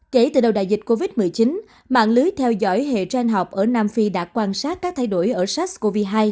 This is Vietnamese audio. kể từ đầu đại dịch covid một mươi chín mạng lưới theo dõi hệ gen học ở nam phi đã quan sát các thay đổi ở sars cov hai